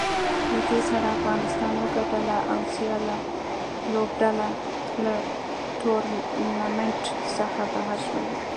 له دې سره افغانستان وګټله او سیاله لوبډله له ټورنمنټ څخه بهر شوه